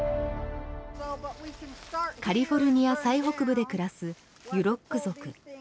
カリフォルニア最北部で暮らすユロック族。